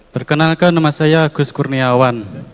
perkenalkan nama saya agus kurniawan